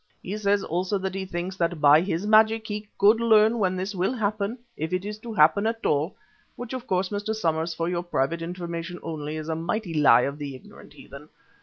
He says also that he thinks that by his magic he could learn when this will happen if it is to happen at all (which of course, Mr. Somers, for your private information only, is a mighty lie of the ignorant heathen).